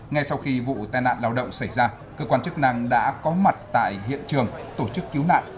ngay sau khi vụ tai nạn lao động xảy ra cơ quan chức năng đã có mặt tại hiện trường tổ chức cứu nạn